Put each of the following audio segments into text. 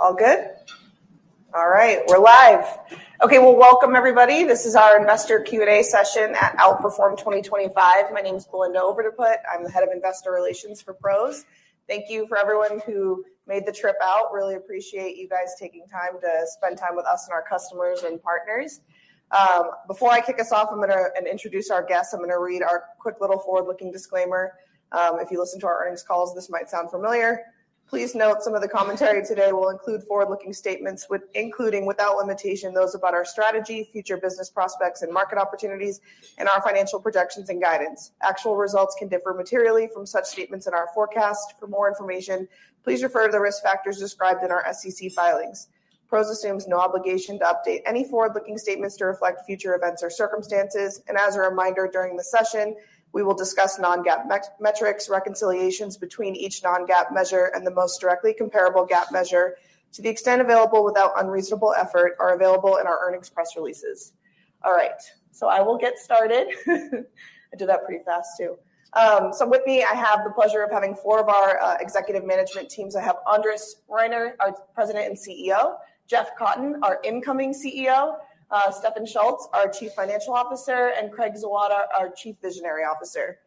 All good? All right, we're live. Okay, welcome everybody. This is our investor Q&A session at Outperform 2025. My name is Belinda Overdeput. I'm the Head of Investor Relations for PROS. Thank you for everyone who made the trip out. Really appreciate you guys taking time to spend time with us and our customers and partners. Before I kick us off, I'm going to introduce our guests. I'm going to read our quick little forward-looking disclaimer. If you listen to our earnings calls, this might sound familiar. Please note some of the commentary today will include forward-looking statements, including without limitation, those about our strategy, future business prospects, and market opportunities, and our financial projections and guidance. Actual results can differ materially from such statements in our forecast. For more information, please refer to the risk factors described in our SEC filings. Pros assumes no obligation to update any forward-looking statements to reflect future events or circumstances. As a reminder, during the session, we will discuss non-GAAP metrics, reconciliations between each non-GAAP measure, and the most directly comparable GAAP measure to the extent available without unreasonable effort are available in our earnings press releases. All right, I will get started. I did that pretty fast too. With me, I have the pleasure of having four of our executive management teams. I have Andres Reiner, our President and CEO; Jeff Cotten, our incoming CEO; Stefan Schultz, our Chief Financial Officer; and Craig Zawada, our Chief Visionary Officer.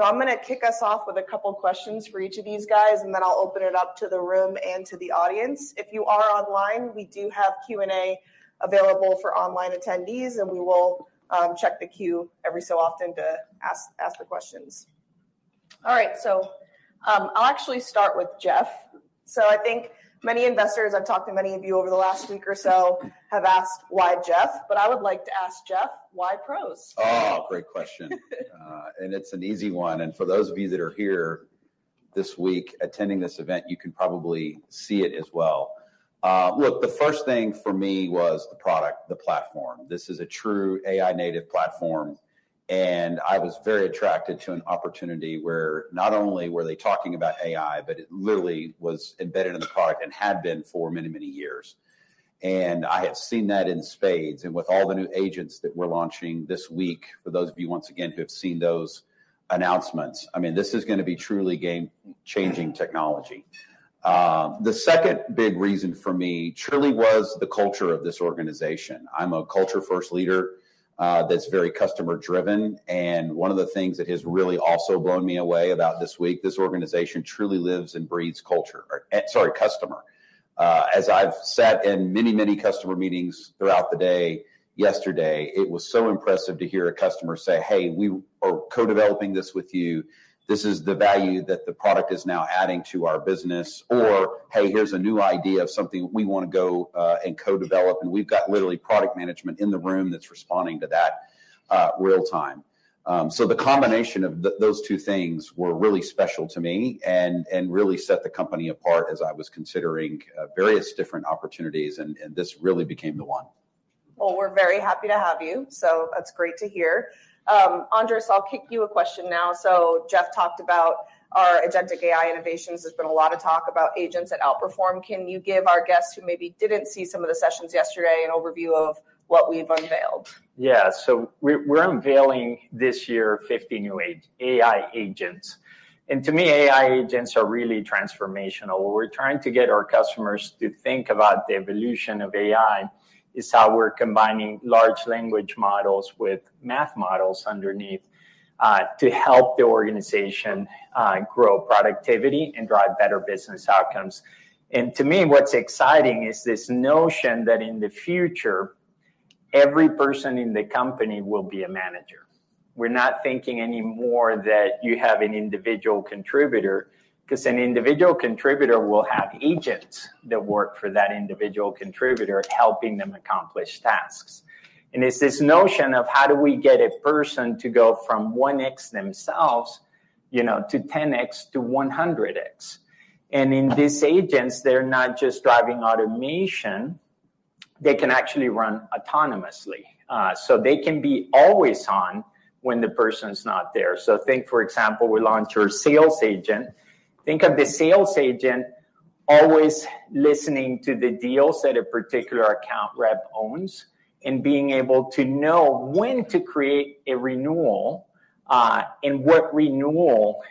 I am going to kick us off with a couple of questions for each of these guys, and then I will open it up to the room and to the audience. If you are online, we do have Q&A available for online attendees, and we will check the queue every so often to ask the questions. All right, I will actually start with Jeff. I think many investors—I have talked to many of you over the last week or so—have asked, "Why Jeff?" I would like to ask Jeff, "Why Pros? Oh, great question. It's an easy one. For those of you that are here this week attending this event, you can probably see it as well. Look, the first thing for me was the product, the platform. This is a true AI-native platform, and I was very attracted to an opportunity where not only were they talking about AI, but it literally was embedded in the product and had been for many, many years. I had seen that in spades. With all the new agents that we're launching this week, for those of you, once again, who have seen those announcements, I mean, this is going to be truly game-changing technology. The second big reason for me truly was the culture of this organization. I'm a culture-first leader that's very customer-driven. One of the things that has really also blown me away about this week, this organization truly lives and breathes culture—sorry, customer. As I've sat in many, many customer meetings throughout the day yesterday, it was so impressive to hear a customer say, "Hey, we are co-developing this with you. This is the value that the product is now adding to our business," or, "Hey, here's a new idea of something we want to go and co-develop." We've got literally product management in the room that's responding to that real time. The combination of those two things were really special to me and really set the company apart as I was considering various different opportunities, and this really became the one. We're very happy to have you. That's great to hear. Andres, I'll kick you a question now. Jeff talked about our agentic AI innovations. There's been a lot of talk about agents at Outperform. Can you give our guests who maybe didn't see some of the sessions yesterday an overview of what we've unveiled? Yeah, so we're unveiling this year 50 new AI agents. To me, AI agents are really transformational. What we're trying to get our customers to think about the evolution of AI is how we're combining large language models with math models underneath to help the organization grow productivity and drive better business outcomes. To me, what's exciting is this notion that in the future, every person in the company will be a manager. We're not thinking anymore that you have an individual contributor because an individual contributor will have agents that work for that individual contributor helping them accomplish tasks. It's this notion of how do we get a person to go from 1x themselves to 10x to 100x. In these agents, they're not just driving automation. They can actually run autonomously. They can be always on when the person's not there. Think, for example, we launched our Sales Agent. Think of the Sales Agent always listening to the deals that a particular account rep owns and being able to know when to create a renewal and what renewal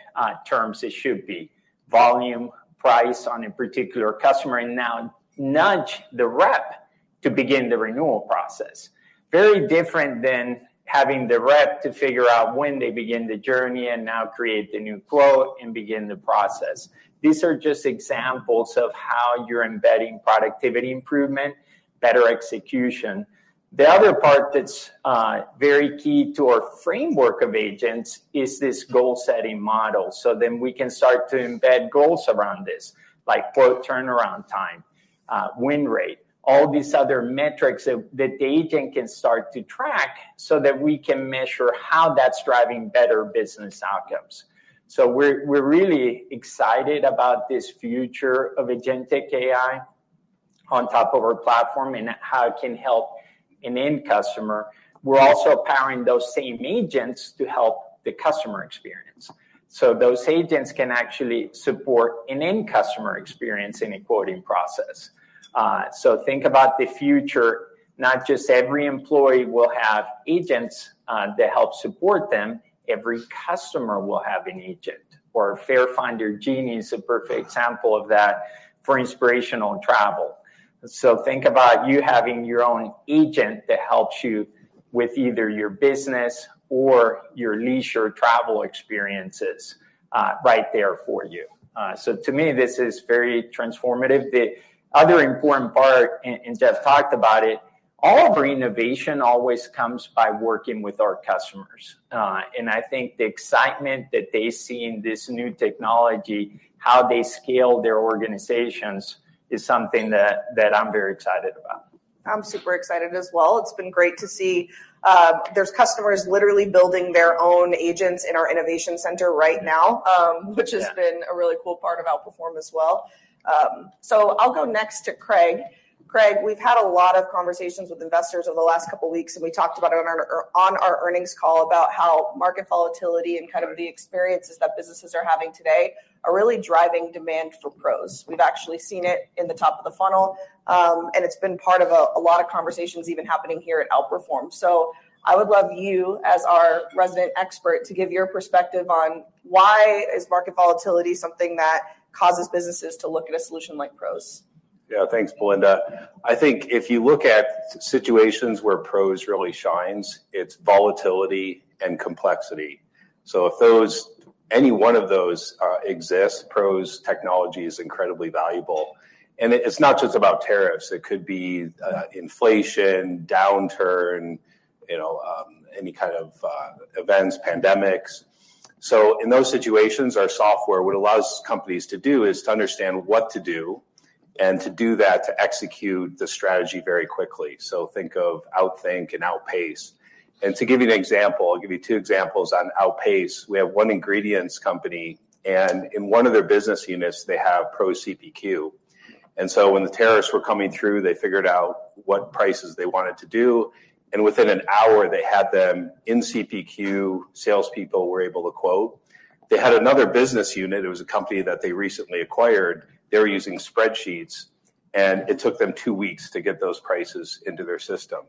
terms it should be—volume, price on a particular customer—and now nudge the rep to begin the renewal process. Very different than having the rep figure out when they begin the journey and now create the new quote and begin the process. These are just examples of how you're embedding productivity improvement, better execution. The other part that's very key to our framework of agents is this goal-setting model. Then we can start to embed goals around this, like quote turnaround time, win rate, all these other metrics that the agent can start to track so that we can measure how that's driving better business outcomes. We're really excited about this future of agentic AI on top of our platform and how it can help an end customer. We're also powering those same agents to help the customer experience. Those agents can actually support an end customer experience in a quoting process. Think about the future. Not just every employee will have agents that help support them. Every customer will have an agent. Fair Finder, Genie is a perfect example of that for inspirational travel. Think about you having your own agent that helps you with either your business or your leisure travel experiences right there for you. To me, this is very transformative. The other important part, and Jeff talked about it, all of our innovation always comes by working with our customers. I think the excitement that they see in this new technology, how they scale their organizations, is something that I'm very excited about. I'm super excited as well. It's been great to see there's customers literally building their own agents in our innovation center right now, which has been a really cool part of Outperform as well. I'll go next to Craig. Craig, we've had a lot of conversations with investors over the last couple of weeks, and we talked about it on our earnings call about how market volatility and kind of the experiences that businesses are having today are really driving demand for PROS. We've actually seen it in the top of the funnel, and it's been part of a lot of conversations even happening here at Outperform. I would love you, as our resident expert, to give your perspective on why is market volatility something that causes businesses to look at a solution like PROS? Yeah, thanks, Belinda. I think if you look at situations where PROS really shines, it's volatility and complexity. If any one of those exists, PROS technology is incredibly valuable. It's not just about tariffs. It could be inflation, downturn, any kind of events, pandemics. In those situations, our software, what it allows companies to do is to understand what to do and to do that to execute the strategy very quickly. Think of Outthink and Outpace. To give you an example, I'll give you two examples on Outpace. We have one ingredients company, and in one of their business units, they have PROS CPQ. When the tariffs were coming through, they figured out what prices they wanted to do. Within an hour, they had them in CPQ. Salespeople were able to quote. They had another business unit. It was a company that they recently acquired. They were using spreadsheets, and it took them two weeks to get those prices into their system.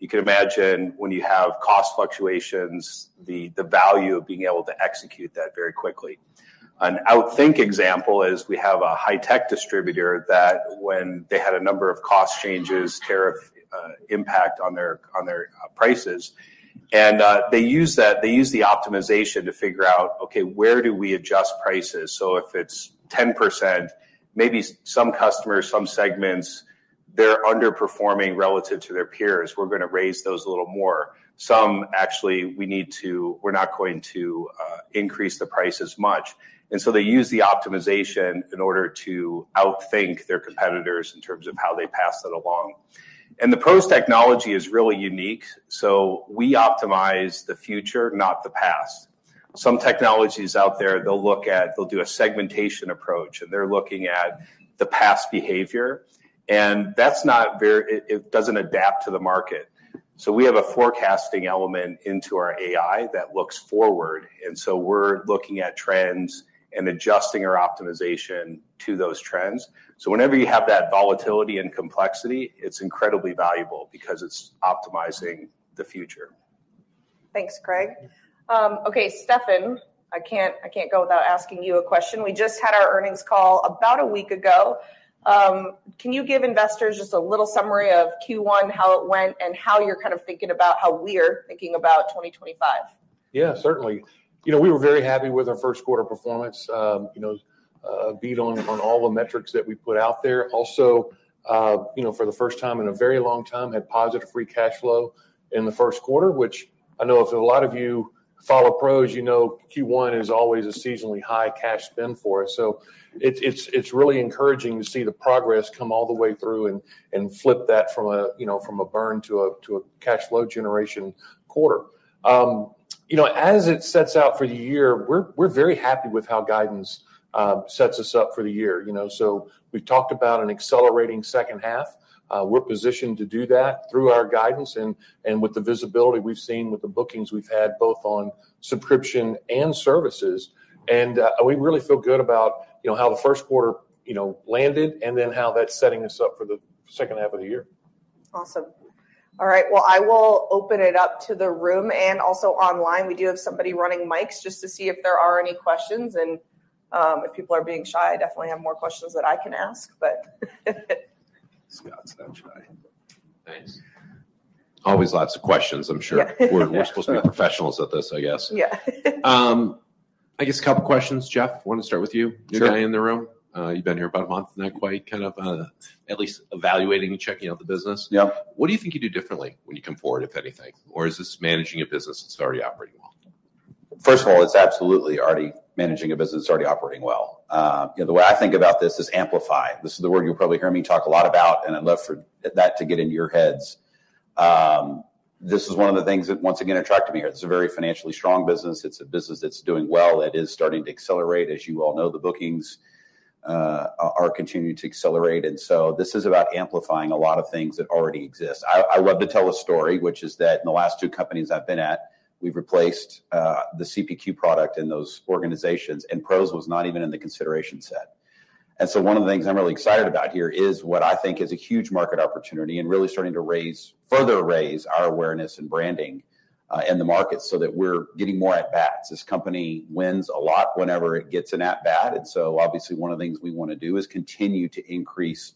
You can imagine when you have cost fluctuations, the value of being able to execute that very quickly. An Outthink example is we have a high-tech distributor that when they had a number of cost changes, tariff impact on their prices. They use the optimization to figure out, "Okay, where do we adjust prices?" If it is 10%, maybe some customers, some segments, they are underperforming relative to their peers. We are going to raise those a little more. Some actually, we are not going to increase the price as much. They use the optimization in order to outthink their competitors in terms of how they pass that along. The PROS technology is really unique. We optimize the future, not the past. Some technologies out there, they'll look at, they'll do a segmentation approach, and they're looking at the past behavior. That is not very—it does not adapt to the market. We have a forecasting element into our AI that looks forward. We are looking at trends and adjusting our optimization to those trends. Whenever you have that volatility and complexity, it is incredibly valuable because it is optimizing the future. Thanks, Craig. Okay, Stefan, I can't go without asking you a question. We just had our earnings call about a week ago. Can you give investors just a little summary of Q1, how it went, and how you're kind of thinking about how we are thinking about 2025? Yeah, certainly. We were very happy with our first quarter performance, beat on all the metrics that we put out there. Also, for the first time in a very long time, had positive free cash flow in the first quarter, which I know if a lot of you follow PROS, you know Q1 is always a seasonally high cash spend for us. It is really encouraging to see the progress come all the way through and flip that from a burn to a cash flow generation quarter. As it sets out for the year, we are very happy with how guidance sets us up for the year. We have talked about an accelerating second half. We are positioned to do that through our guidance and with the visibility we have seen with the bookings we have had both on subscription and services. We really feel good about how the first quarter landed and then how that's setting us up for the second half of the year. Awesome. All right, I will open it up to the room and also online. We do have somebody running mics just to see if there are any questions. If people are being shy, I definitely have more questions that I can ask, but. Scott's not shy. Thanks. Always lots of questions, I'm sure. We're supposed to be professionals at this, I guess. Yeah. I guess a couple of questions. Jeff, want to start with you? You're the guy in the room. You've been here about a month, not quite, kind of at least evaluating and checking out the business. Yeah. What do you think you do differently when you come forward, if anything? Or is this managing a business that's already operating well? First of all, it's absolutely already managing a business that's already operating well. The way I think about this is amplify. This is the word you'll probably hear me talk a lot about, and I'd love for that to get into your heads. This is one of the things that, once again, attracted me here. It's a very financially strong business. It's a business that's doing well. It is starting to accelerate. As you all know, the bookings are continuing to accelerate. This is about amplifying a lot of things that already exist. I love to tell a story, which is that in the last two companies I've been at, we've replaced the CPQ product in those organizations, and PROS was not even in the consideration set. One of the things I'm really excited about here is what I think is a huge market opportunity and really starting to further raise our awareness and branding in the market so that we're getting more at-bats. This company wins a lot whenever it gets an at-bat. Obviously, one of the things we want to do is continue to increase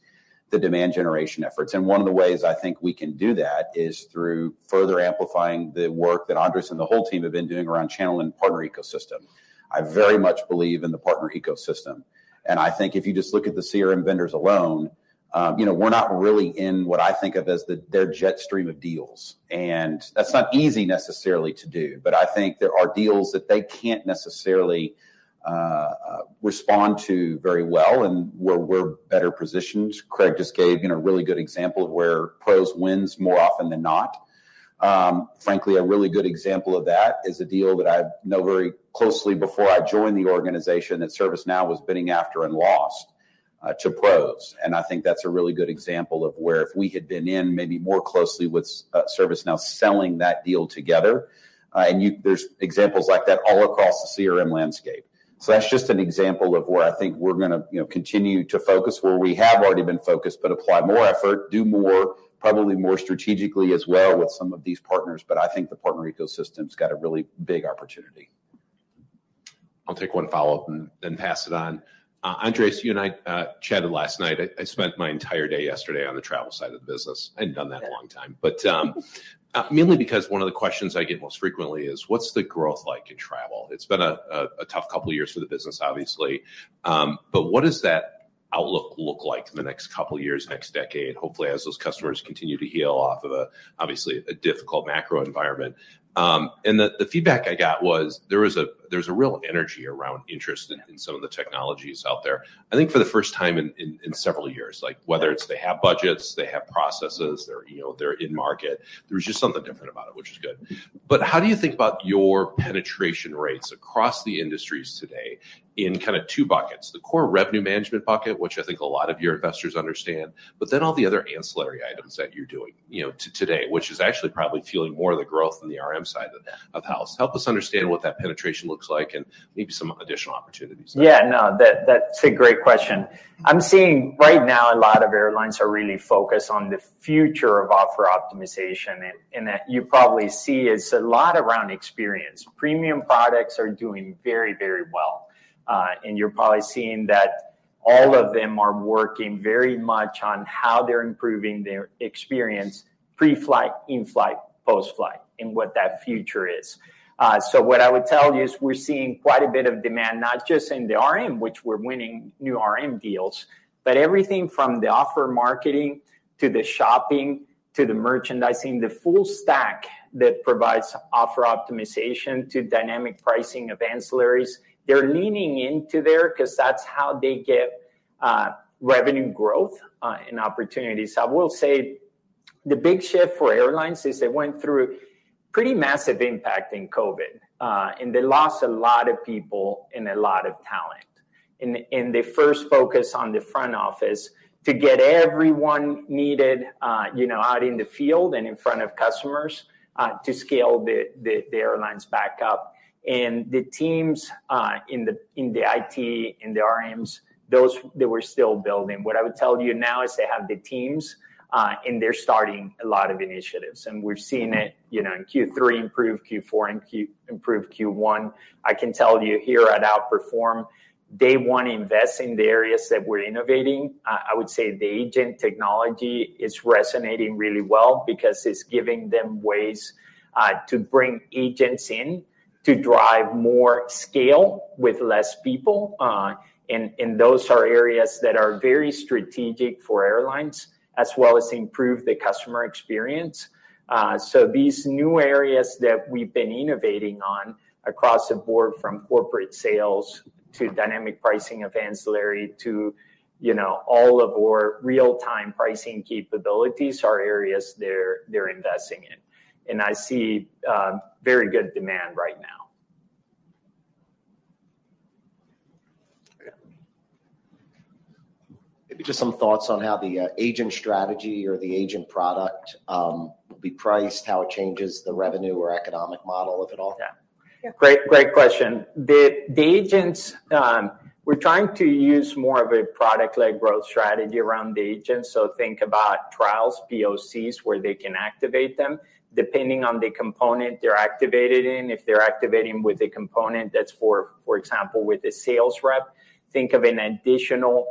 the demand generation efforts. One of the ways I think we can do that is through further amplifying the work that Andres and the whole team have been doing around channel and partner ecosystem. I very much believe in the partner ecosystem. I think if you just look at the CRM vendors alone, we're not really in what I think of as their jet stream of deals. That is not easy necessarily to do, but I think there are deals that they cannot necessarily respond to very well and where we are better positioned. Craig just gave a really good example of where PROS wins more often than not. Frankly, a really good example of that is a deal that I know very closely before I joined the organization that ServiceNow was bidding after and lost to PROS. I think that is a really good example of where if we had been in maybe more closely with ServiceNow selling that deal together, and there are examples like that all across the CRM landscape. That is just an example of where I think we are going to continue to focus where we have already been focused, but apply more effort, do more, probably more strategically as well with some of these partners. I think the partner ecosystem's got a really big opportunity. I'll take one follow-up and pass it on. Andres, you and I chatted last night. I spent my entire day yesterday on the travel side of the business. I hadn't done that in a long time, but mainly because one of the questions I get most frequently is, what's the growth like in travel? It's been a tough couple of years for the business, obviously. What does that outlook look like in the next couple of years, next decade, hopefully as those customers continue to heal off of obviously a difficult macro environment? The feedback I got was there's a real energy around interest in some of the technologies out there. I think for the first time in several years, whether it's they have budgets, they have processes, they're in market, there was just something different about it, which is good. How do you think about your penetration rates across the industries today in kind of two buckets? The core revenue management bucket, which I think a lot of your investors understand, but then all the other ancillary items that you're doing today, which is actually probably fueling more of the growth in the RM side of the house. Help us understand what that penetration looks like and maybe some additional opportunities. Yeah, no, that's a great question. I'm seeing right now a lot of airlines are really focused on the future of offer optimization. You probably see it's a lot around experience. Premium products are doing very, very well. You're probably seeing that all of them are working very much on how they're improving their experience pre-flight, in-flight, post-flight, and what that future is. What I would tell you is we're seeing quite a bit of demand, not just in the RM, which we're winning new RM deals, but everything from the offer marketing to the shopping to the merchandising, the full stack that provides offer optimization to dynamic pricing of ancillaries. They're leaning into there because that's how they get revenue growth and opportunities. I will say the big shift for airlines is they went through pretty massive impact in COVID, and they lost a lot of people and a lot of talent. They first focused on the front office to get everyone needed out in the field and in front of customers to scale the airlines back up. The teams in the IT, in the RMs, they were still building. What I would tell you now is they have the teams, and they're starting a lot of initiatives. We have seen it in Q3 improved, Q4 improved, Q1. I can tell you here at Outperform, they want to invest in the areas that we're innovating. I would say the agent technology is resonating really well because it's giving them ways to bring agents in to drive more scale with fewer people. Those are areas that are very strategic for airlines, as well as improve the customer experience. These new areas that we've been innovating on across the board from corporate sales to dynamic pricing of ancillary to all of our real-time pricing capabilities are areas they're investing in. I see very good demand right now. Maybe just some thoughts on how the agent strategy or the agent product will be priced, how it changes the revenue or economic model, if at all? Yeah. Great question. The agents, we're trying to use more of a product-led growth strategy around the agents. Think about trials, POCs, where they can activate them, depending on the component they're activated in. If they're activating with a component that's, for example, with a sales rep, think of an additional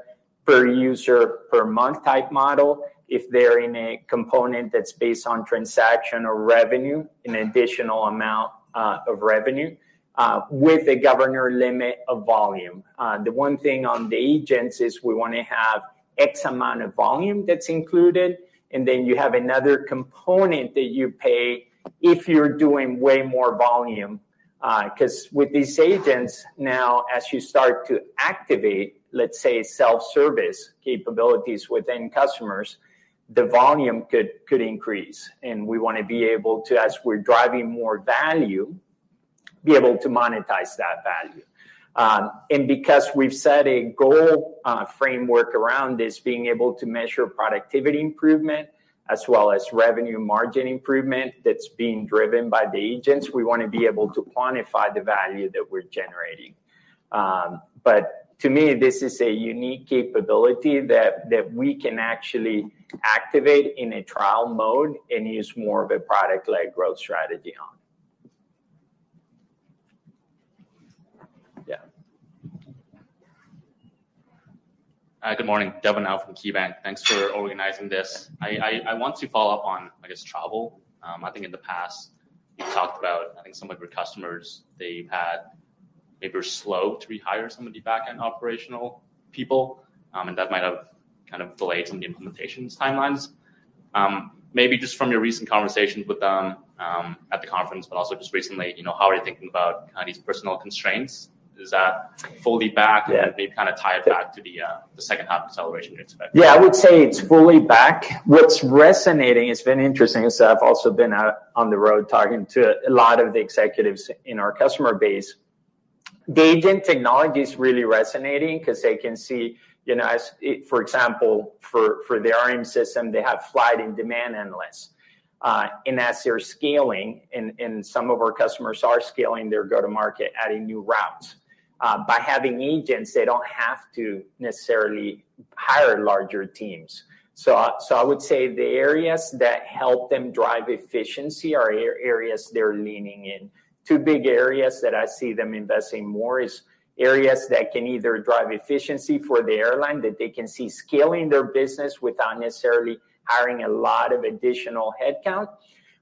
per user per month type model. If they're in a component that's based on transaction or revenue, an additional amount of revenue with a governor limit of volume. The one thing on the agents is we want to have X amount of volume that's included. Then you have another component that you pay if you're doing way more volume. Because with these agents now, as you start to activate, let's say, self-service capabilities within customers, the volume could increase. We want to be able to, as we're driving more value, be able to monetize that value. Because we've set a goal framework around this, being able to measure productivity improvement as well as revenue margin improvement that's being driven by the agents, we want to be able to quantify the value that we're generating. To me, this is a unique capability that we can actually activate in a trial mode and use more of a product-led growth strategy on. Yeah. Good morning, Devon now from KeyBank. Thanks for organizing this. I want to follow up on, I guess, travel. I think in the past, you've talked about, I think some of your customers, they've had maybe were slow to rehire some of the back-end operational people, and that might have kind of delayed some of the implementation timelines. Maybe just from your recent conversations with them at the conference, but also just recently, how are you thinking about these personal constraints? Is that fully back or maybe kind of tied back to the second half acceleration you expect? Yeah, I would say it's fully back. What's resonating has been interesting is I've also been on the road talking to a lot of the executives in our customer base. The agent technology is really resonating because they can see, for example, for the RM system, they have flight and demand analysts. As they're scaling, and some of our customers are scaling their go-to-market, adding new routes. By having agents, they don't have to necessarily hire larger teams. I would say the areas that help them drive efficiency are areas they're leaning in. Two big areas that I see them investing more are areas that can either drive efficiency for the airline that they can see scaling their business without necessarily hiring a lot of additional headcount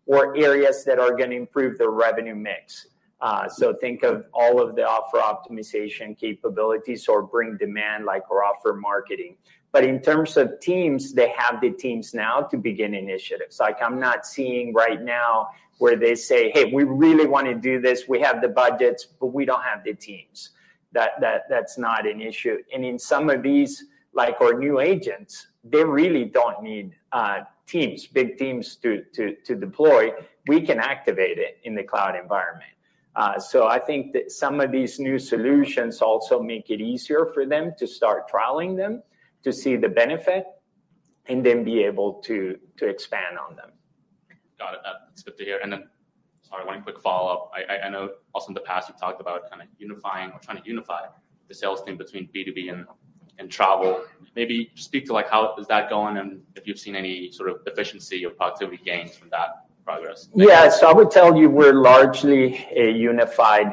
or areas that are going to improve their revenue mix. Think of all of the offer optimization capabilities or bring demand like our offer marketing. In terms of teams, they have the teams now to begin initiatives. I'm not seeing right now where they say, "Hey, we really want to do this. We have the budgets, but we don't have the teams." That's not an issue. In some of these, like our new agents, they really don't need big teams to deploy. We can activate it in the cloud environment. I think that some of these new solutions also make it easier for them to start trialing them to see the benefit and then be able to expand on them. Got it. That's good to hear. Sorry, one quick follow-up. I know also in the past you've talked about kind of unifying or trying to unify the sales team between B2B and travel. Maybe speak to how is that going and if you've seen any sort of efficiency or productivity gains from that progress. Yeah, so I would tell you we're largely a unified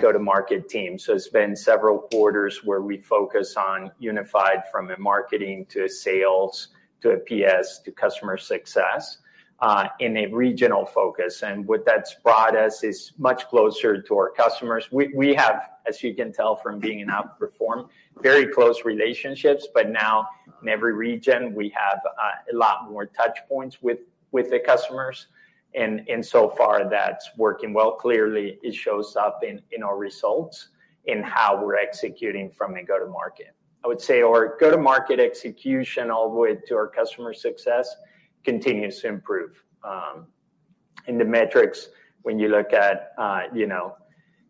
go-to-market team. It’s been several quarters where we focus on unified from marketing to sales to PS to customer success in a regional focus. What that's brought us is much closer to our customers. We have, as you can tell from being in Outperform, very close relationships, but now in every region, we have a lot more touchpoints with the customers. So far, that's working well. Clearly, it shows up in our results in how we're executing from a go-to-market. I would say our go-to-market execution all the way to our customer success continues to improve. In the metrics, when you look at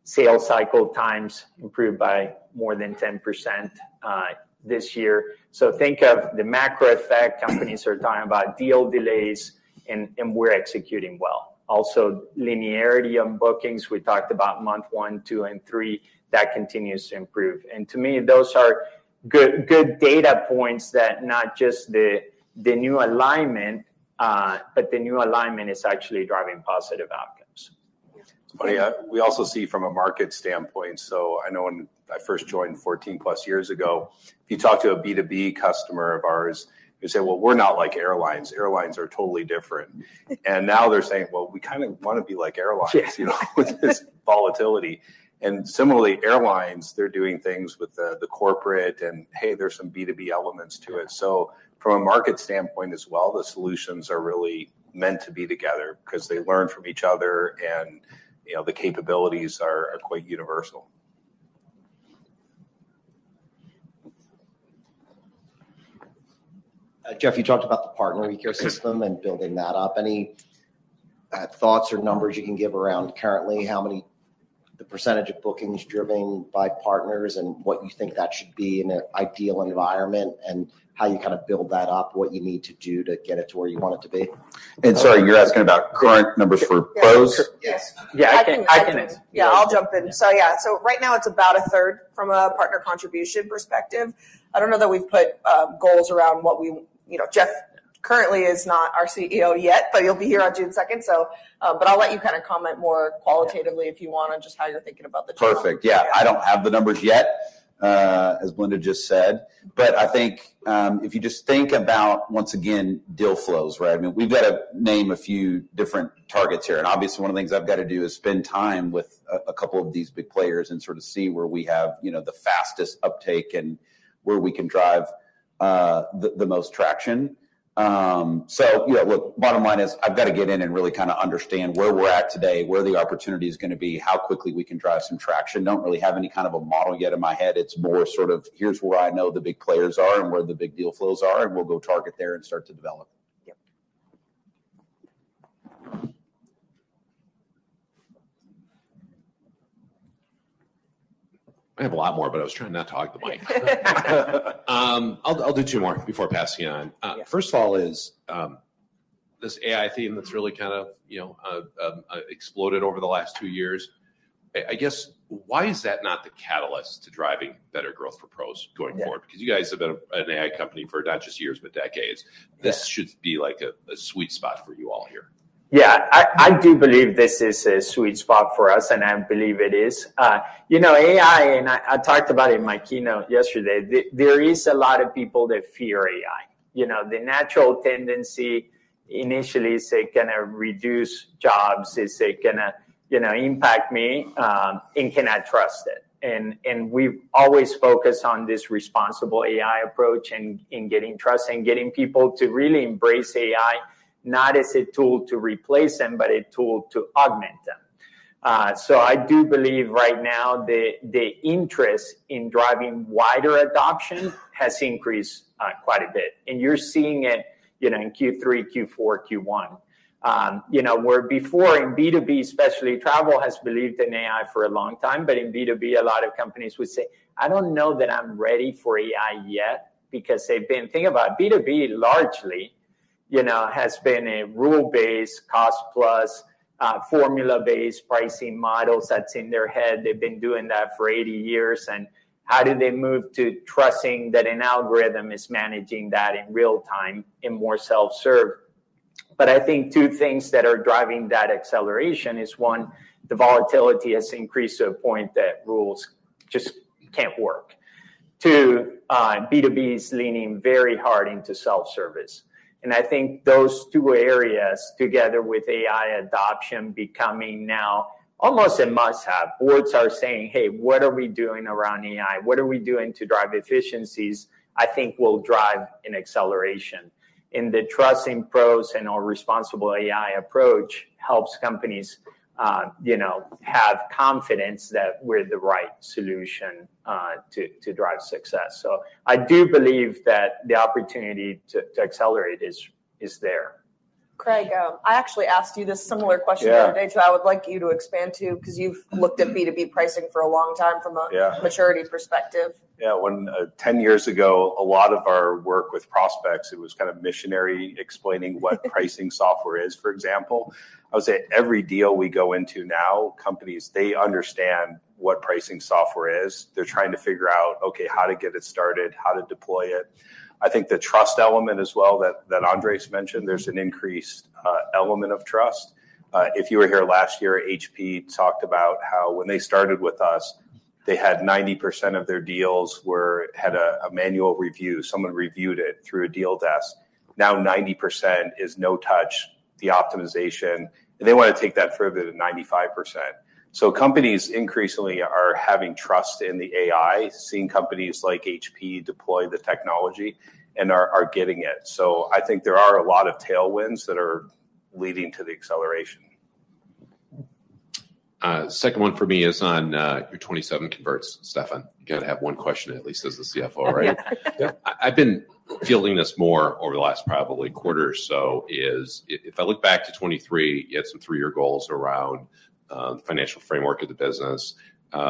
sales cycle times improved by more than 10% this year. Think of the macro effect. Companies are talking about deal delays, and we're executing well. Also, linearity on bookings. We talked about month one, two, and three. That continues to improve. To me, those are good data points that not just the new alignment, but the new alignment is actually driving positive outcomes. It's funny. We also see from a market standpoint. I know when I first joined 14-plus years ago, if you talk to a B2B customer of ours, they say, "We're not like airlines. Airlines are totally different." Now they're saying, "We kind of want to be like airlines with this volatility." Similarly, airlines, they're doing things with the corporate and, "Hey, there's some B2B elements to it." From a market standpoint as well, the solutions are really meant to be together because they learn from each other and the capabilities are quite universal. Jeff, you talked about the partner ecosystem and building that up. Any thoughts or numbers you can give around currently how many, the percentage of bookings driven by partners, and what you think that should be in an ideal environment, and how you kind of build that up, what you need to do to get it to where you want it to be? Sorry, you're asking about current numbers for PROS? Yes. Yeah, I can answer. Yeah, I'll jump in. Yeah, right now it's about a third from a partner contribution perspective. I don't know that we've put goals around what we—Jeff currently is not our CEO yet, but he'll be here on June 2nd. I'll let you kind of comment more qualitatively if you want on just how you're thinking about the chart. Perfect. Yeah. I do not have the numbers yet, as Belinda just said. I think if you just think about, once again, deal flows, right? I mean, we have got to name a few different targets here. Obviously, one of the things I have to do is spend time with a couple of these big players and sort of see where we have the fastest uptake and where we can drive the most traction. Look, bottom line is I have to get in and really kind of understand where we are at today, where the opportunity is going to be, how quickly we can drive some traction. Do not really have any kind of a model yet in my head. It is more sort of, here is where I know the big players are and where the big deal flows are, and we will go target there and start to develop. I have a lot more, but I was trying not to talk at the mic. I'll do two more before passing you on. First of all, is this AI theme that's really kind of exploded over the last two years. I guess, why is that not the catalyst to driving better growth for PROS going forward? Because you guys have been an AI company for not just years, but decades. This should be like a sweet spot for you all here. Yeah, I do believe this is a sweet spot for us, and I believe it is. AI, and I talked about it in my keynote yesterday, there is a lot of people that fear AI. The natural tendency initially is it's going to reduce jobs, is it's going to impact me, and can I trust it? We've always focused on this responsible AI approach and getting trust and getting people to really embrace AI, not as a tool to replace them, but a tool to augment them. I do believe right now the interest in driving wider adoption has increased quite a bit. You're seeing it in Q3, Q4, Q1. Where before in B2B, especially travel, has believed in AI for a long time, but in B2B, a lot of companies would say, "I don't know that I'm ready for AI yet," because they've been thinking about B2B largely has been a rule-based, cost-plus, formula-based pricing model that's in their head. They've been doing that for 80 years. How do they move to trusting that an algorithm is managing that in real time and more self-serve? I think two things that are driving that acceleration is one, the volatility has increased to a point that rules just can't work. Two, B2B is leaning very hard into self-service. I think those two areas together with AI adoption becoming now almost a must-have. Boards are saying, "Hey, what are we doing around AI? What are we doing to drive efficiencies?" I think will drive an acceleration. The trust in PROS and our responsible AI approach helps companies have confidence that we're the right solution to drive success. I do believe that the opportunity to accelerate is there. Craig, I actually asked you this similar question the other day, so I would like you to expand too because you've looked at B2B pricing for a long time from a maturity perspective. Yeah. When 10 years ago, a lot of our work with prospects, it was kind of missionary explaining what pricing software is. For example, I would say every deal we go into now, companies, they understand what pricing software is. They're trying to figure out, okay, how to get it started, how to deploy it. I think the trust element as well that Andreas mentioned, there's an increased element of trust. If you were here last year, HP talked about how when they started with us, they had 90% of their deals had a manual review. Someone reviewed it through a deal desk. Now 90% is no touch, the optimization. They want to take that further to 95%. Companies increasingly are having trust in the AI, seeing companies like HP deploy the technology and are getting it. I think there are a lot of tailwinds that are leading to the acceleration. Second one for me is on your 2027 converts, Stefan. You got to have one question at least as the CFO, right? I've been feeling this more over the last probably quarter or so is if I look back to 2023, you had some three-year goals around the financial framework of the business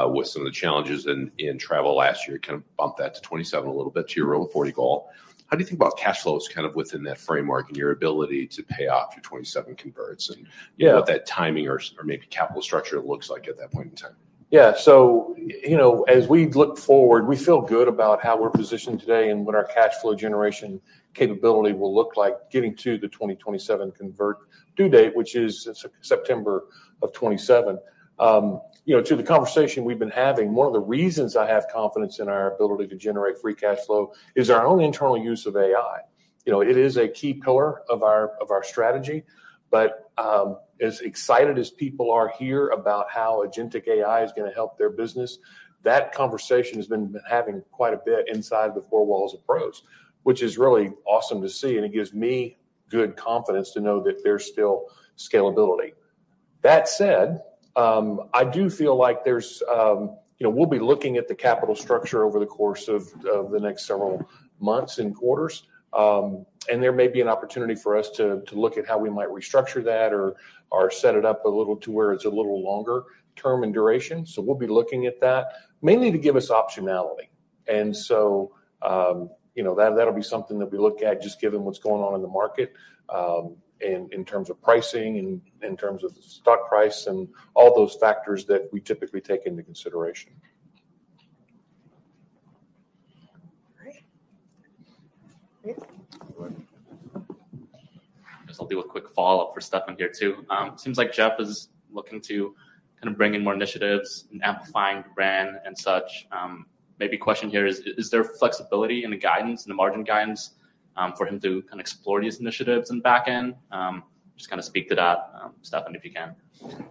with some of the challenges in travel last year, kind of bump that to 2027 a little bit to your rule of 40 goal. How do you think about cash flows kind of within that framework and your ability to pay off your 2027 converts and what that timing or maybe capital structure looks like at that point in time? Yeah. As we look forward, we feel good about how we're positioned today and what our cash flow generation capability will look like getting to the 2027 convert due date, which is September of 2027. To the conversation we've been having, one of the reasons I have confidence in our ability to generate free cash flow is our own internal use of AI. It is a key pillar of our strategy. As excited as people are here about how agentic AI is going to help their business, that conversation has been happening quite a bit inside the four walls of PROS, which is really awesome to see. It gives me good confidence to know that there's still scalability. That said, I do feel like we'll be looking at the capital structure over the course of the next several months and quarters. There may be an opportunity for us to look at how we might restructure that or set it up a little to where it's a little longer term in duration. We will be looking at that mainly to give us optionality. That will be something that we look at just given what's going on in the market in terms of pricing and in terms of stock price and all those factors that we typically take into consideration. I'll do a quick follow-up for Stefan here too. It seems like Jeff is looking to kind of bring in more initiatives and amplifying brand and such. Maybe question here is, is there flexibility in the guidance and the margin guidance for him to kind of explore these initiatives and backend? Just kind of speak to that, Stefan, if you can.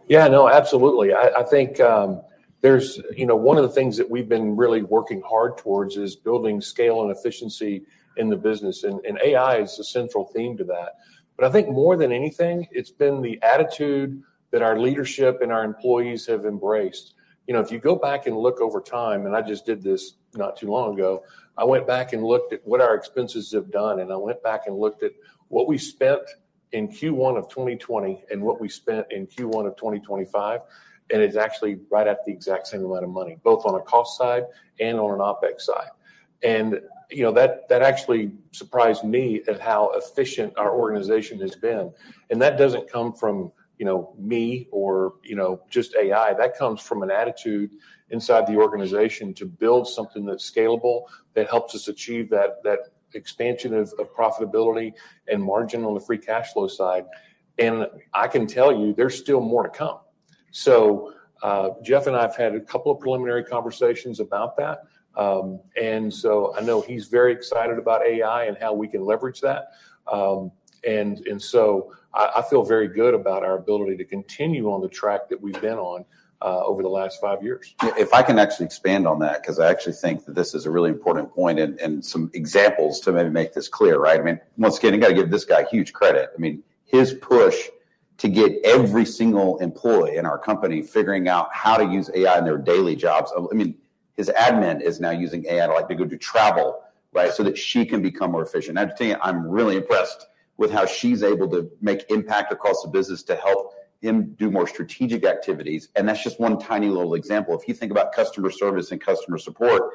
Yeah, no, absolutely. I think one of the things that we've been really working hard towards is building scale and efficiency in the business. AI is a central theme to that. I think more than anything, it's been the attitude that our leadership and our employees have embraced. If you go back and look over time, and I just did this not too long ago, I went back and looked at what our expenses have done. I went back and looked at what we spent in Q1 of 2020 and what we spent in Q1 of 2025. It's actually right at the exact same amount of money, both on a cost side and on an OpEx side. That actually surprised me at how efficient our organization has been. That doesn't come from me or just AI. That comes from an attitude inside the organization to build something that's scalable that helps us achieve that expansion of profitability and margin on the free cash flow side. I can tell you, there's still more to come. Jeff and I have had a couple of preliminary conversations about that. I know he's very excited about AI and how we can leverage that. I feel very good about our ability to continue on the track that we've been on over the last five years. If I can actually expand on that, because I actually think that this is a really important point and some examples to maybe make this clear, right? I mean, once again, you got to give this guy huge credit. I mean, his push to get every single employee in our company figuring out how to use AI in their daily jobs. I mean, his admin is now using AI to go to travel, right, so that she can become more efficient. I have to tell you, I'm really impressed with how she's able to make impact across the business to help him do more strategic activities. That is just one tiny little example. If you think about customer service and customer support,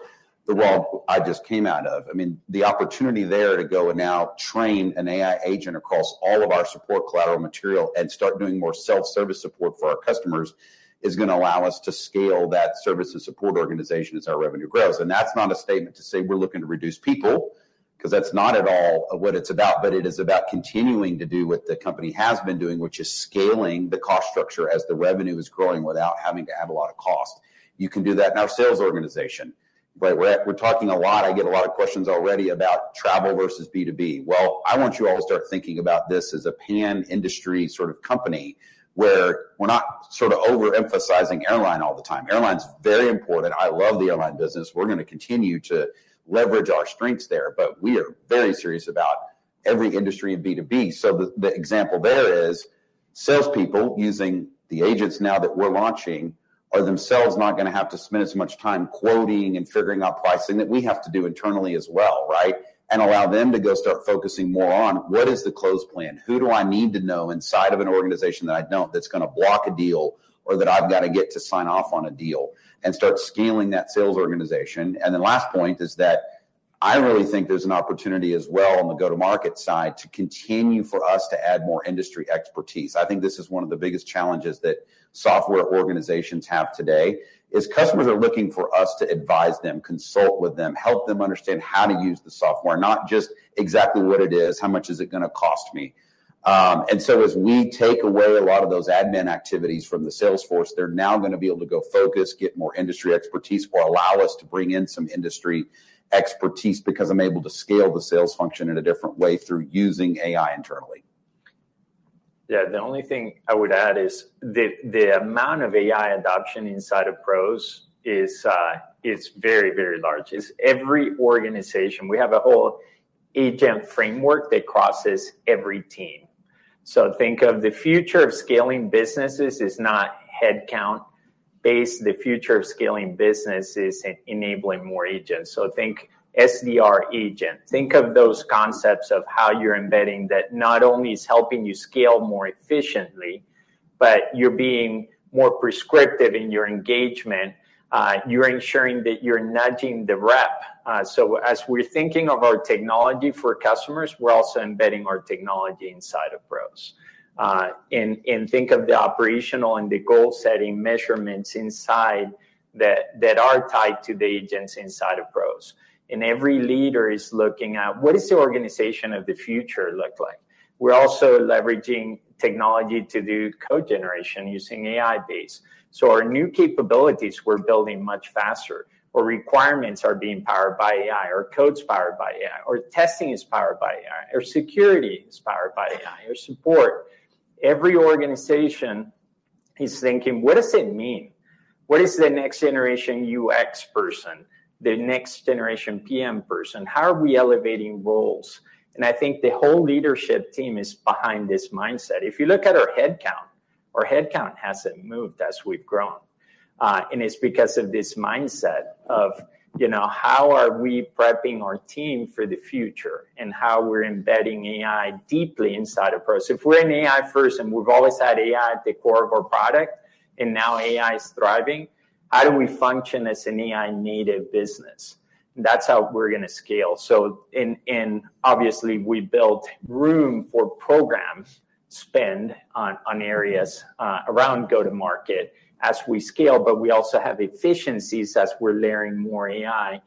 the world I just came out of, I mean, the opportunity there to go and now train an AI agent across all of our support collateral material and start doing more self-service support for our customers is going to allow us to scale that service and support organization as our revenue grows. That is not a statement to say we're looking to reduce people because that's not at all what it's about. It is about continuing to do what the company has been doing, which is scaling the cost structure as the revenue is growing without having to add a lot of cost. You can do that in our sales organization. We're talking a lot. I get a lot of questions already about travel versus B2B. I want you all to start thinking about this as a pan-industry sort of company where we're not sort of overemphasizing airline all the time. Airline's very important. I love the airline business. We're going to continue to leverage our strengths there. We are very serious about every industry in B2B. The example there is salespeople using the agents now that we're launching are themselves not going to have to spend as much time quoting and figuring out pricing that we have to do internally as well, right? It will allow them to go start focusing more on what is the close plan, who do I need to know inside of an organization that I don't that's going to block a deal or that I've got to get to sign off on a deal, and start scaling that sales organization. The last point is that I really think there's an opportunity as well on the go-to-market side to continue for us to add more industry expertise. I think this is one of the biggest challenges that software organizations have today is customers are looking for us to advise them, consult with them, help them understand how to use the software, not just exactly what it is, how much is it going to cost me. As we take away a lot of those admin activities from the salesforce, they're now going to be able to go focus, get more industry expertise, or allow us to bring in some industry expertise because I'm able to scale the sales function in a different way through using AI internally. Yeah, the only thing I would add is the amount of AI adoption inside of PROS is very, very large. It's every organization. We have a whole agent framework that crosses every team. Think of the future of scaling businesses as not headcount based. The future of scaling businesses is enabling more agents. Think SDR agent. Think of those concepts of how you're embedding that not only is helping you scale more efficiently, but you're being more prescriptive in your engagement. You're ensuring that you're nudging the rep. As we're thinking of our technology for customers, we're also embedding our technology inside of PROS. Think of the operational and the goal-setting measurements inside that are tied to the agents inside of PROS. Every leader is looking at what does the organization of the future look like? We're also leveraging technology to do code generation using AI-based. Our new capabilities we're building much faster. Our requirements are being powered by AI. Our code's powered by AI. Our testing is powered by AI. Our security is powered by AI. Our support. Every organization is thinking, what does it mean? What is the next generation UX person, the next generation PM person? How are we elevating roles? I think the whole leadership team is behind this mindset. If you look at our headcount, our headcount hasn't moved as we've grown. It's because of this mindset of how are we prepping our team for the future and how we're embedding AI deeply inside of PROS. If we're an AI first and we've always had AI at the core of our product and now AI is thriving, how do we function as an AI-native business? That's how we're going to scale. Obviously, we built room for program spend on areas around go-to-market as we scale, but we also have efficiencies as we're layering more AI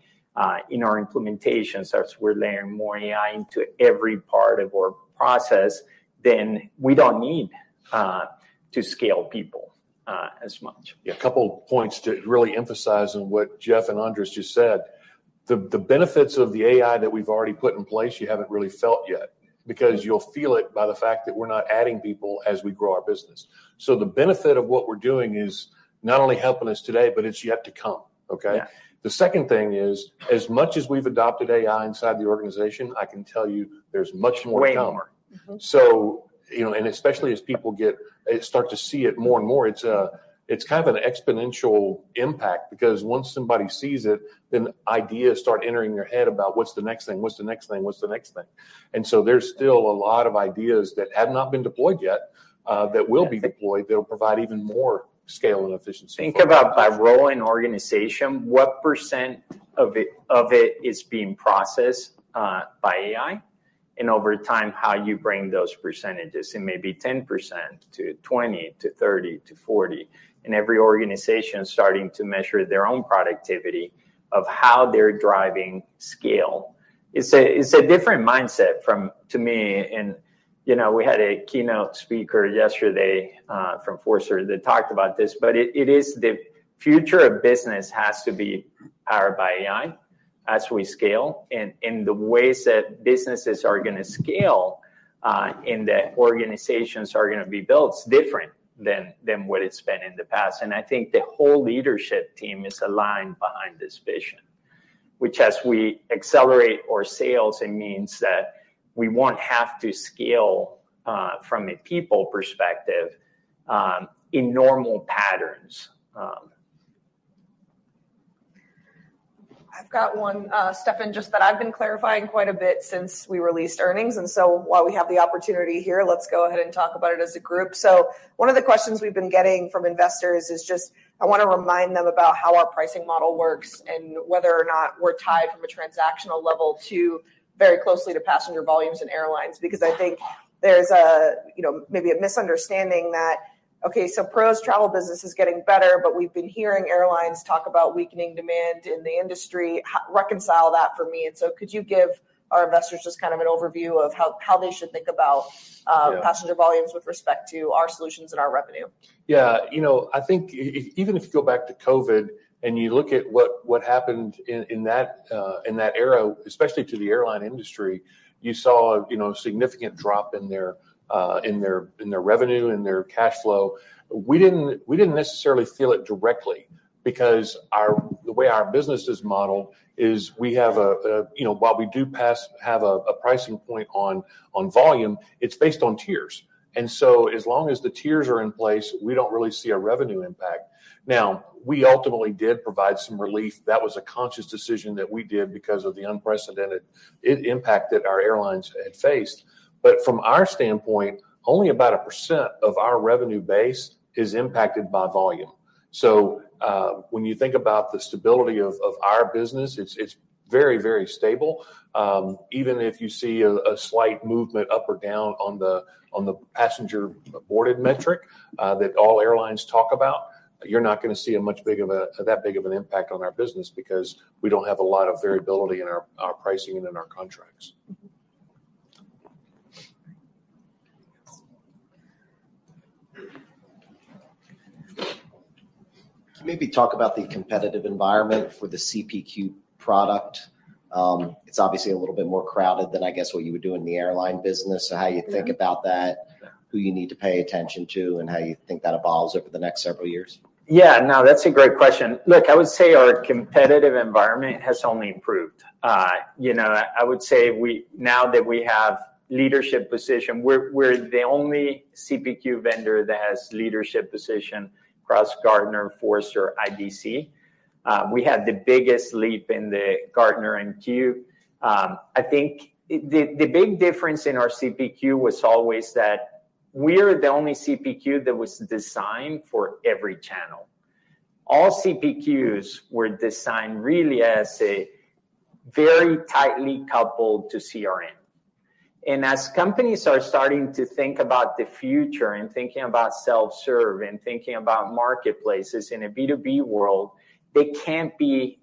in our implementations. As we're layering more AI into every part of our process, then we do not need to scale people as much. Yeah, a couple of points to really emphasize on what Jeff and Andreas just said. The benefits of the AI that we've already put in place, you haven't really felt yet because you'll feel it by the fact that we're not adding people as we grow our business. The benefit of what we're doing is not only helping us today, but it's yet to come. Okay? The second thing is, as much as we've adopted AI inside the organization, I can tell you there's much more to come. Especially as people start to see it more and more, it's kind of an exponential impact because once somebody sees it, then ideas start entering their head about what's the next thing, what's the next thing, what's the next thing. There is still a lot of ideas that have not been deployed yet that will be deployed that will provide even more scale and efficiency. Think about by role in organization, what % of it is being processed by AI? And over time, how you bring those percentages and maybe 10% to 20%,30%,40%. And every organization starting to measure their own productivity of how they're driving scale. It's a different mindset to me. And we had a keynote speaker yesterday from Forrester that talked about this. But it is the future of business has to be powered by AI as we scale. And the ways that businesses are going to scale and the organizations are going to be built is different than what it's been in the past. And I think the whole leadership team is aligned behind this vision, which as we accelerate our sales, it means that we won't have to scale from a people perspective in normal patterns. I've got one, Stefan, just that I've been clarifying quite a bit since we released earnings. While we have the opportunity here, let's go ahead and talk about it as a group. One of the questions we've been getting from investors is just I want to remind them about how our pricing model works and whether or not we're tied from a transactional level very closely to passenger volumes and airlines because I think there's maybe a misunderstanding that, okay, Pros travel business is getting better, but we've been hearing airlines talk about weakening demand in the industry. Reconcile that for me. Could you give our investors just kind of an overview of how they should think about passenger volumes with respect to our solutions and our revenue? Yeah, you know I think even if you go back to COVID and you look at what happened in that era, especially to the airline industry, you saw a significant drop in their revenue and their cash flow. We did not necessarily feel it directly because the way our business is modeled is we have a, while we do have a pricing point on volume, it is based on tiers. As long as the tiers are in place, we do not really see a revenue impact. We ultimately did provide some relief. That was a conscious decision that we did because of the unprecedented impact that our airlines had faced. From our standpoint, only about 1% of our revenue base is impacted by volume. When you think about the stability of our business, it is very, very stable. Even if you see a slight movement up or down on the passenger aborted metric that all airlines talk about, you're not going to see that big of an impact on our business because we don't have a lot of variability in our pricing and in our contracts. Can you maybe talk about the competitive environment for the CPQ product? It's obviously a little bit more crowded than I guess what you would do in the airline business. How you think about that, who you need to pay attention to, and how you think that evolves over the next several years? Yeah, no, that's a great question. Look, I would say our competitive environment has only improved. I would say now that we have leadership position, we're the only CPQ vendor that has leadership position across Gartner, Forrester, IDC. We had the biggest leap in the Gartner and Q. I think the big difference in our CPQ was always that we are the only CPQ that was designed for every channel. All CPQs were designed really as a very tightly coupled to CRM. As companies are starting to think about the future and thinking about self-serve and thinking about marketplaces in a B2B world, they can't be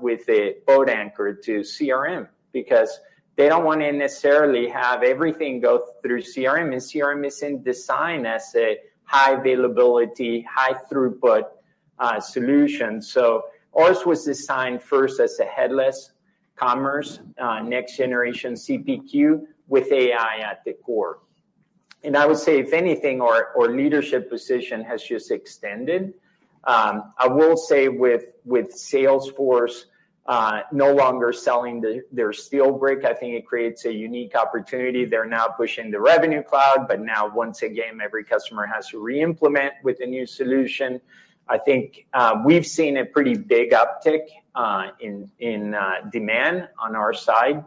with a boat anchor to CRM because they don't want to necessarily have everything go through CRM. CRM isn't designed as a high availability, high throughput solution. Ours was designed first as a headless commerce, next generation CPQ with AI at the core. I would say if anything, our leadership position has just extended. I will say with Salesforce no longer selling their Steelbrick, I think it creates a unique opportunity. They are now pushing the Revenue Cloud, but now once again, every customer has to re-implement with a new solution. I think we have seen a pretty big uptick in demand on our side,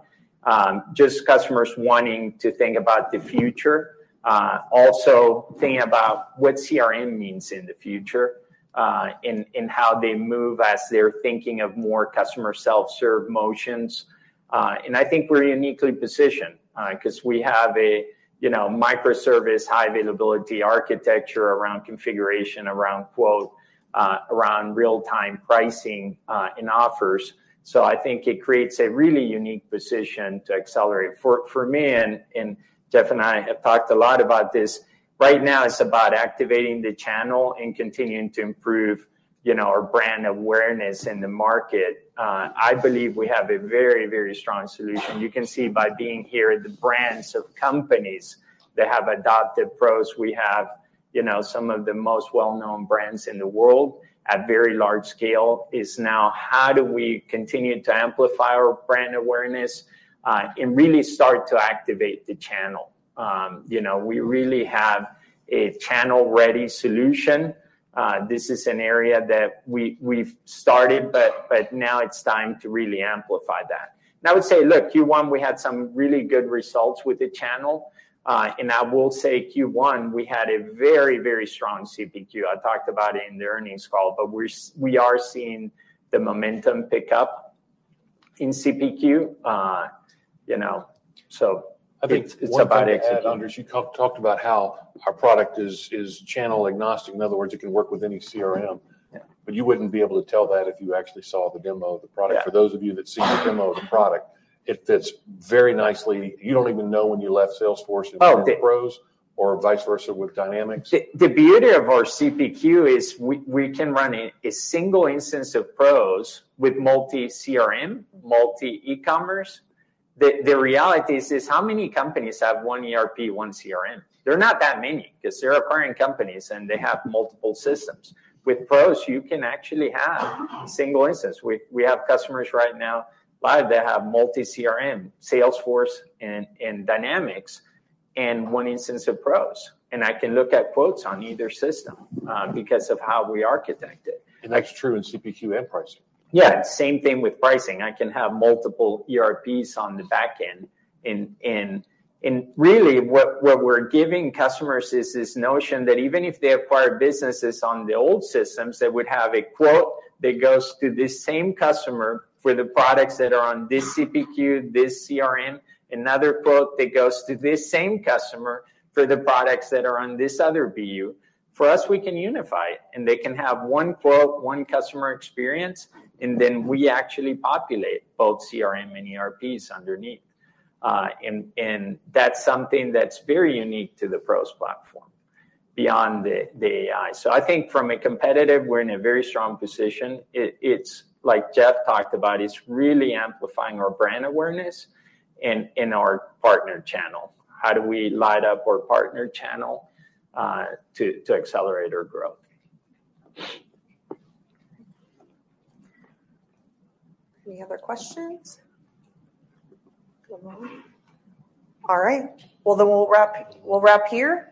just customers wanting to think about the future, also thinking about what CRM means in the future and how they move as they are thinking of more customer self-serve motions. I think we are uniquely positioned because we have a microservice, high availability architecture around configuration, around quote, around real-time pricing and offers. I think it creates a really unique position to accelerate. For me, and Jeff and I have talked a lot about this, right now it's about activating the channel and continuing to improve our brand awareness in the market. I believe we have a very, very strong solution. You can see by being here at the brands of companies that have adopted PROS. We have some of the most well-known brands in the world at very large scale. It's now how do we continue to amplify our brand awareness and really start to activate the channel. We really have a channel-ready solution. This is an area that we've started, but now it's time to really amplify that. I would say, look, Q1, we had some really good results with the channel. I will say Q1, we had a very, very strong CPQ. I talked about it in the earnings call, but we are seeing the momentum pick up in CPQ. It is about executing. I think one thing I had, Andres, you talked about how our product is channel agnostic. In other words, it can work with any CRM. You would not be able to tell that if you actually saw the demo of the product. For those of you that see the demo of the product, it fits very nicely. You do not even know when you left Salesforce and went to PROS or vice versa with Dynamics. The beauty of our CPQ is we can run a single instance of PROS with multi-CRM, multi-ecommerce. The reality is how many companies have one ERP, one CRM? They're not that many because they're acquiring companies and they have multiple systems. With PROS, you can actually have single instance. We have customers right now live that have multi-CRM, Salesforce and Dynamics, and one instance of PROS. I can look at quotes on either system because of how we architect it. That is true in CPQ and pricing. Yeah, same thing with pricing. I can have multiple ERPs on the back end. Really, what we're giving customers is this notion that even if they acquire businesses on the old systems, they would have a quote that goes to this same customer for the products that are on this CPQ, this CRM, another quote that goes to this same customer for the products that are on this other BU. For us, we can unify it. They can have one quote, one customer experience, and then we actually populate both CRM and ERPs underneath. That is something that is very unique to the PROS Platform beyond the AI. I think from a competitive, we're in a very strong position. It's like Jeff talked about. It's really amplifying our brand awareness and our partner channel. How do we light up our partner channel to accelerate our growth? Any other questions? All right. Then we'll wrap here.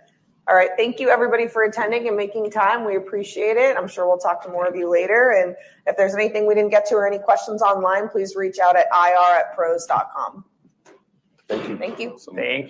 All right. Thank you, everybody, for attending and making time. We appreciate it. I'm sure we'll talk to more of you later. If there's anything we did not get to or any questions online, please reach out at ir@pros.com. Thank you. Thank you.